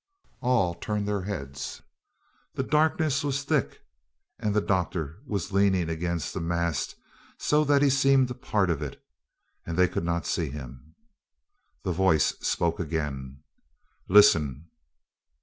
All turned their heads. The darkness was thick, and the doctor was leaning against the mast so that he seemed part of it, and they could not see him. The voice spoke again, "Listen!"